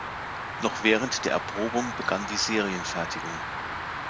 Noch während der Erprobung begann die Serienfertigung.